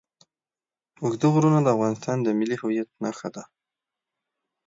اوږده غرونه د افغانستان د ملي هویت نښه ده.